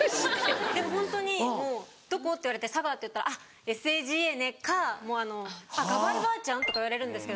でもホントに「どこ？」って言われて「佐賀」って言ったら「ＳＡＧＡね！」か「あっ『がばいばあちゃん』？」とか言われるんですけど。